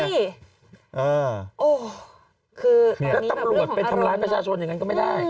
ถ้าตำรวจไปทำร้ายประชาชนอย่างนั้นก็ไม่ได้